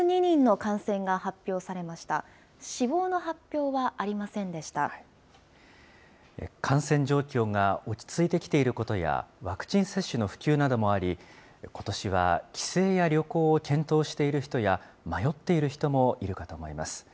感染状況が落ち着いてきていることや、ワクチン接種の普及などもあり、ことしは帰省や旅行を検討している人や、迷っている人もいるかと思います。